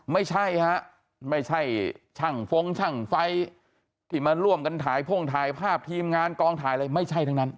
ไม่ใช่ฮะไม่ใช่ช่างฟงช่างไฟที่มาร่วมกันถ่ายพ่งถ่ายภาพทีมงานกองถ่ายอะไรไม่ใช่ทั้งนั้น